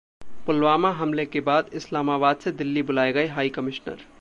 पुलवामा हमले के बाद इस्लामाबाद से दिल्ली बुलाए गए हाई कमिश्नर